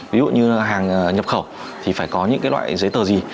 ví dụ như hàng nhập khẩu thì phải có những loại giấy tờ gì